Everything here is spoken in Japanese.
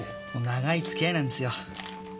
長い付き合いなんですよ。